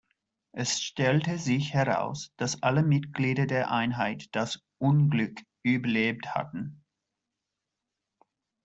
Es stellte sich heraus, dass alle Mitglieder der Einheit das Unglück überlebt hatten.